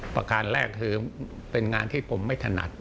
ประการแรกคือเป็นงานที่ผมไม่ถนัด